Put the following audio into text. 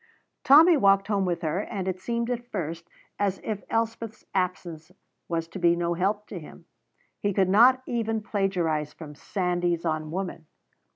Tommy walked home with her, and it seemed at first as if Elspeth's absence was to be no help to him. He could not even plagiarize from "Sandys on Woman."